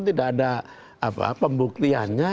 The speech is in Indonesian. tidak ada pembuktiannya